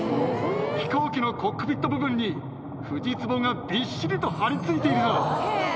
飛行機のコックピット部分にフジツボがびっしりと張り付いているぞ。